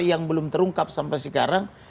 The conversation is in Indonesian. yang belum terungkap sampai sekarang